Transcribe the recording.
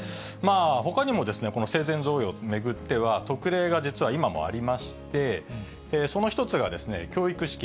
ほかにも、この生前贈与を巡っては、特例が実は今もありまして、その一つが、教育資金。